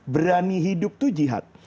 berani hidup itu jihad